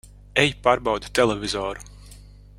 Ej pārbaudi televizoru!